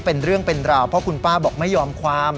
เป็นเรื่องเป็นราวเพราะคุณป้าบอกไม่ยอมความ